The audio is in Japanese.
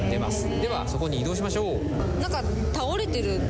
では、そこに移動しましょう。